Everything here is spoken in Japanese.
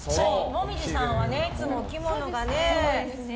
紅葉さんはいつもお着物がね。